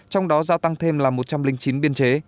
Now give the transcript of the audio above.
trong đó giao tăng thêm là một trăm linh chín biên chế